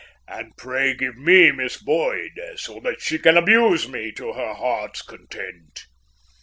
"And pray give me Miss Boyd, so that she can abuse me to her heart's content."